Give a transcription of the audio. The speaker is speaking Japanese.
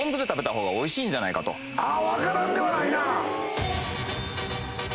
分からんではないな。